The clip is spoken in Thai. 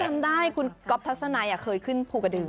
จำได้คุณก๊อฟทัศนัยเคยขึ้นภูกระดึง